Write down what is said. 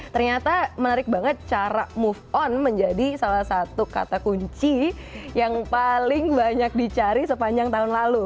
ternyata menarik banget cara move on menjadi salah satu kata kunci yang paling banyak dicari sepanjang tahun lalu